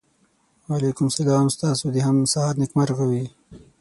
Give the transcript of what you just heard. وعلیکم سلام ستاسو د هم سهار نېکمرغه وي.